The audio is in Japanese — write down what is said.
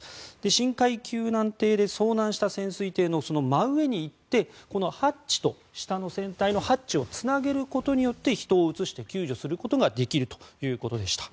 深海救難艇で遭難した潜水艇の真上に行って、ハッチと下の船体のハッチをつなげることによって人を移して救助することができるということでした。